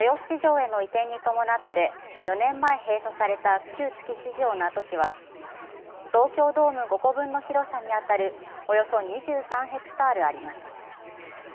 市場への移転に伴って４年前、閉鎖された旧築地市場の跡地は東京ドーム５個分の広さにあたるおよそ２３ｈａあります。